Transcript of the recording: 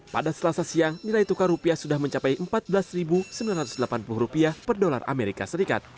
pada selasa siang nilai tukar rupiah sudah mencapai empat belas sembilan ratus delapan puluh per dolar as